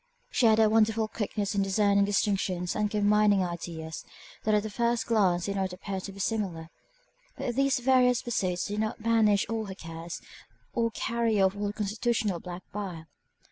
She had a wonderful quickness in discerning distinctions and combining ideas, that at the first glance did not appear to be similar. But these various pursuits did not banish all her cares, or carry off all her constitutional black bile.